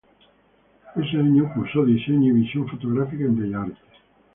Ese año cursa Diseño y Visión fotográfica en Bellas Artes.